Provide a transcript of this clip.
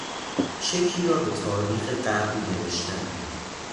چکی را به تاریخ قبل نوشتن